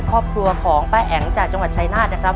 ครอบครัวของป้าแอ๋งจากจังหวัดชายนาฏนะครับ